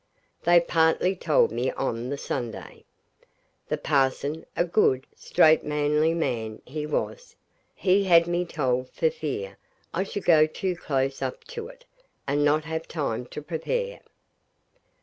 They partly told me on the Sunday. The parson a good, straight, manly man he was he had me told for fear I should go too close up to it, and not have time to prepare.